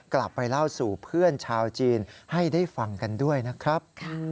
กลับไปเล่าสู่เพื่อนชาวจีนให้ได้ฟังกันด้วยนะครับ